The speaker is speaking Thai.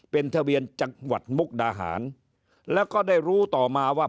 เป็นทะเบียนจังหวัดมุกดาหารแล้วก็ได้รู้ต่อมาว่า